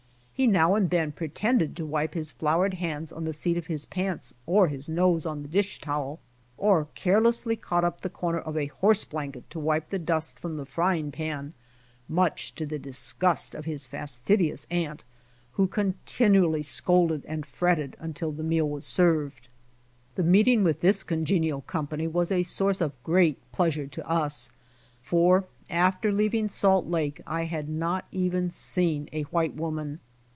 He now and then pretended to wipe his floured hands on the seat of his pants or his nose on the dish towel, i or carelessly caught up the corner of a horse blanket to wipe the dust from the frying pan, miuch to the disgust of his fastidious aunt, who continually scolded and fretted until the meal was served. The meeting with this congenial company was a source of great pleasure to us, for after leaving Salt Ijake I had not even seen a white woman.